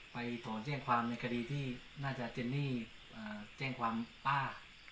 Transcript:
ถอนแจ้งความในคดีที่น่าจะเจนนี่แจ้งความป้า